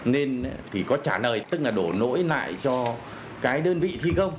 nên thì có trả lời tức là đổ lỗi lại cho cái đơn vị thi công